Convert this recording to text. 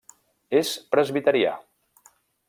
És presbiterià.